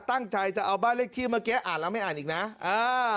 ตั้งใจจะเอาบ้านเลขที่เมื่อกี้อ่านแล้วไม่อ่านอีกนะอ่า